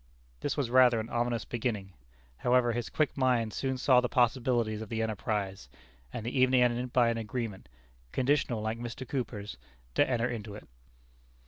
This was rather an ominous beginning. However, his quick mind soon saw the possibilities of the enterprise, and the evening ended by an agreement conditional, like Mr. Cooper's to enter into it.